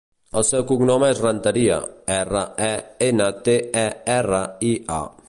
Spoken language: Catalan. El seu cognom és Renteria: erra, e, ena, te, e, erra, i, a.